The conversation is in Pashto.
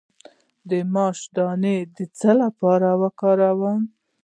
د ماش دانه د څه لپاره وکاروم؟